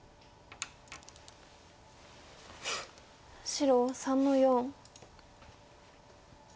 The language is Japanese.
白３の四。